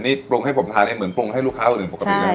อันนี้ปรุงให้ผมทานเหมือนปรุงให้ลูกค้าอื่นปกติใช่ไหม